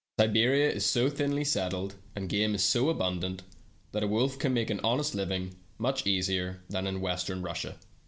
Siberia is so thinly settled, and game is so abun dant, that a wolf can make an honest living much easier than in Western Russia.